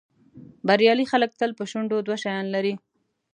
بریالي خلک تل په شونډو دوه شیان لري.